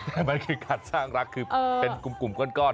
แต่มันคือการสร้างรักคือเป็นกลุ่มก้อน